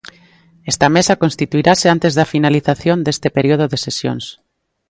Esta mesa constituirase antes da finalización deste período de sesións.